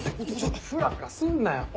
ふらふらすんなよ！